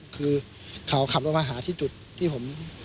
คือเขาขับรถมาหาที่จุดที่ผม